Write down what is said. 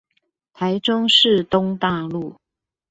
台中市東大路